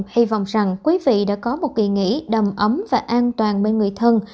hy vọng rằng quý vị đã có một kỳ nghỉ đầm ấm và an toàn bên người thân